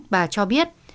bà cho biết